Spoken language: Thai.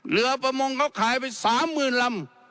เหลือประมงเขาขายไปสามหมื่นลำ